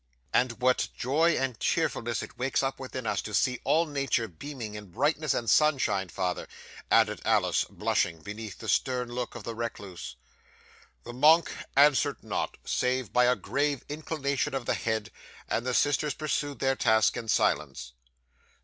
'"And what joy and cheerfulness it wakes up within us, to see all nature beaming in brightness and sunshine, father," added Alice, blushing beneath the stern look of the recluse. 'The monk answered not, save by a grave inclination of the head, and the sisters pursued their task in silence.